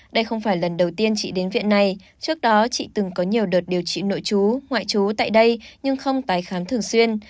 đây không phải lần đầu tiên chị đến viện này trước đó chị từng có nhiều đợt điều trị nội chú ngoại chú tại đây nhưng không tái khám thường xuyên